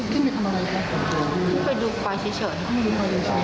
ขึ้นไปดูฝ่ายเฉย